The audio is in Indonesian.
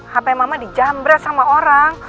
hp mama dijamret sama orang